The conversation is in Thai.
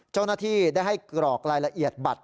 เจ้าหน้าที่ได้ให้กรอกรายละเอียดบัตร